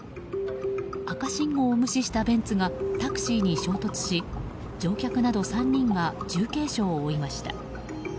赤信号を無視したベンツがタクシーに衝突し乗客など３人が重軽傷を負いました。